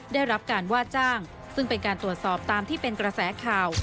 ได้รับการว่าจ้างซึ่งเป็นการตรวจสอบตามที่เป็นกระแสข่าว